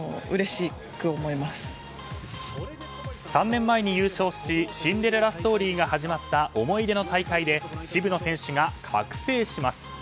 ３年前に優勝しシンデレラストーリーが始まった思い出の大会で渋野選手が覚醒します。